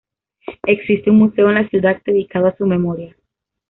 Existe un museo en la ciudad dedicado a su memoria.